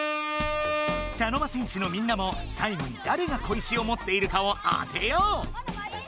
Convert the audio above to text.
茶の間戦士のみんなも最後にだれが小石を持っているかを当てよう！